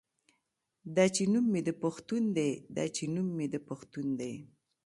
دا چې نوم مې د پښتون دے دا چې نوم مې د پښتون دے